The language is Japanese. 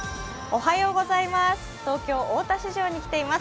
東京・大田市場に来ています。